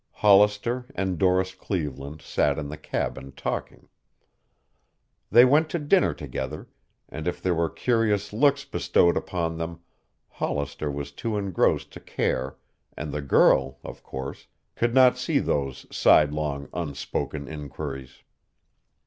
Hollister and Doris Cleveland sat in the cabin talking. They went to dinner together, and if there were curious looks bestowed upon them Hollister was too engrossed to care and the girl, of course, could not see those sidelong, unspoken inquiries.